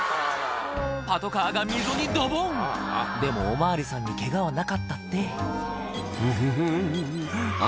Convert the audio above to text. パトカーが溝にドボンでもお巡りさんにケガはなかったって「フフフンあっ